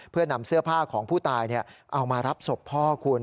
เพื่อนำเสื้อผ้าของผู้ตายเอามารับศพพ่อคุณ